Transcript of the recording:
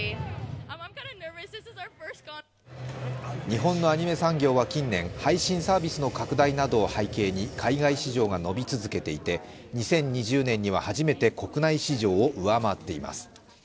日本のアニメ産業は近年、配信サービスの拡大などを背景に海外市場が伸び続けていて２０２０年には初めて国内市場を上回っています。